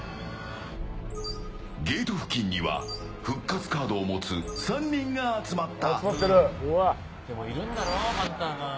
ゲート付近には復活カードを持つ３人が集まった。